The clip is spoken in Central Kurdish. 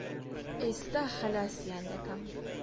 ئێستا خەلاسیان دەکەم.